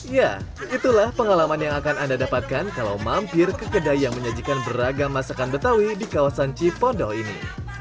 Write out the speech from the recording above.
ya itulah pengalaman yang akan anda dapatkan kalau mampir ke kedai yang menyajikan beragam masakan betawi di kawasan cipondo ini